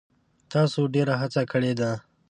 تاسو ډیره هڅه کړې ده.